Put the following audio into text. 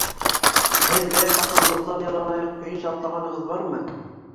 Һеҙ берәй ҡасан боҙҙан яланаяҡ көйөнсә атлағанығыҙ бармы?